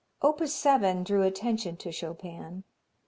Opus 7 drew attention to Chopin.